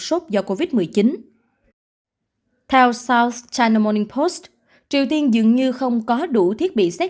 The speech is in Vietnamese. sốt do covid một mươi chín theo south china morning post triều tiên dường như không có đủ thiết bị xét